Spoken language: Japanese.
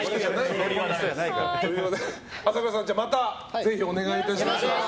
朝倉さん、またぜひお願いします。